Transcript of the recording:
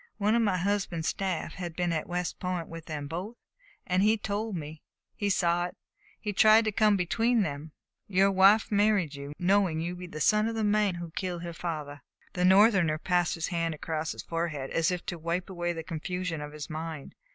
One of my husband's staff had been at West Point with them both, and he told me. He saw it, and tried to come between them. Your wife married you, knowing you to be the son of the man who killed her father." The Northerner passed his hand across his forehead as if to wipe away the confusion of his mind.